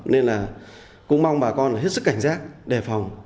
nên là cũng mong bà con là hết sức cảnh giác đề phòng